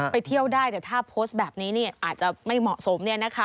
ไปเที่ยวได้แต่ถ้าโพสต์แบบนี้อาจจะไม่เหมาะสม